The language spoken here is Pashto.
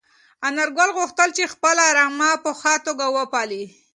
انارګل غوښتل چې خپله رمه په ښه توګه وپالي.